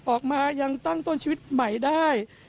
ออกมายังตั้งต้นชีวิตใหม่ได้